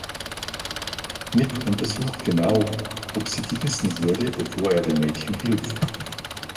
Nick untersucht genau, ob sie gebissen wurde bevor er dem Mädchen hilft.